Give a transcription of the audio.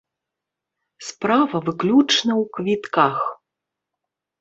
Справа выключна ў квітках.